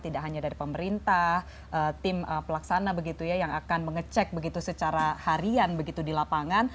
tidak hanya dari pemerintah tim pelaksana begitu ya yang akan mengecek begitu secara harian begitu di lapangan